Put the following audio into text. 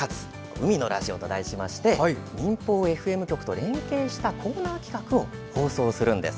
海のラジオ」と題して民放ＦＭ局と連携したコーナー企画を放送するんです。